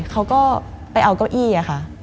เขาก็ไปเอาเก้าอี้ค่ะ